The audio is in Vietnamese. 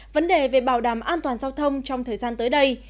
vấn đề về bảo đảm an toàn giao thông trong thời gian tới đây